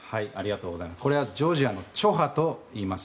これはジョージアのチョハといいます。